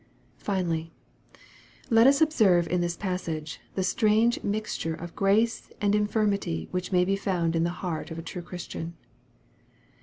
Finally, let us observe in this passage the strange Tnwc ture of grace and infirmity which may be found in the heart of a true Christian.